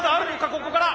ここから。